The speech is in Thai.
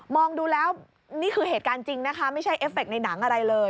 ดูแล้วนี่คือเหตุการณ์จริงนะคะไม่ใช่เอฟเคในหนังอะไรเลย